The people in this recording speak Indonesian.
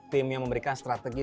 tim yang memberikan strategi